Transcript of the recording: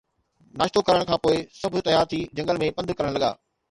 ناشتو ڪرڻ کان پوءِ سڀ تيار ٿي جنگل ۾ پنڌ ڪرڻ لڳا